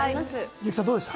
優木さん、どうでしたか？